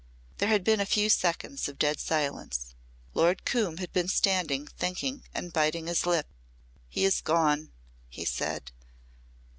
There had been a few seconds of dead silence. Lord Coombe had been standing thinking and biting his lip. "He is gone!" he said.